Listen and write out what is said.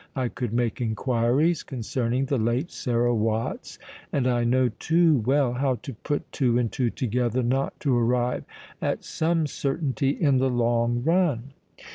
"I could make inquiries concerning the late Sarah Watts; and I know too well how to put two and two together not to arrive at some certainty in the long run."